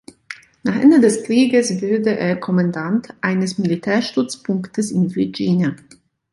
Nach Ende des Krieges wurde er Kommandant eines Militärstützpunktes in Virginia.